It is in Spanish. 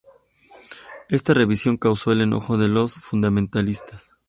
Esta revisión causó el enojo de los fundamentalistas.